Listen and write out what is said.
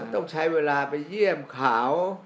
ต้องใช้เวลาไปเยี่ยมเขา